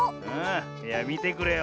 いやみてくれよ。